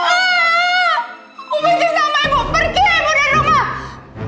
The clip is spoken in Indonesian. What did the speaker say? aku mesti sama ibu pergi ibu dari rumah